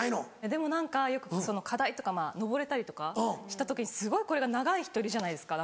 でも何かよくその課題とかまぁ登れたりとかした時にすごいこれが長い人いるじゃないですか。